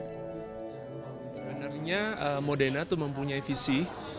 sebenarnya modena mempunyai visi